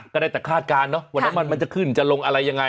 ก็ได้แต่คาดการณ์เนาะว่าน้ำมันมันจะขึ้นจะลงอะไรยังไง